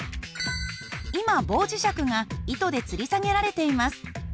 今棒磁石が糸でつり下げられています。